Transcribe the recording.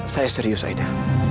saya serius aida